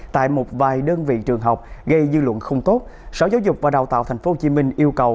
tại một vài đơn vị trường học gây dư luận không tốt sở giáo dục và đào tạo tp hcm yêu cầu